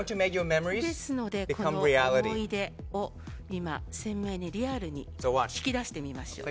ですのでこの思い出を今鮮明に、リアルに引き出してみましょう。